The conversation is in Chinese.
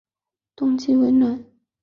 冬季温暖。